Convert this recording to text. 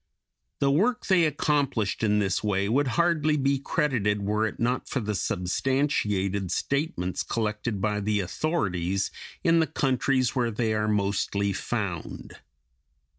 The work they accomplished in this way would hardly be credited were it not for the substantiated statements collected by the authorities in the countries where they are mostly found.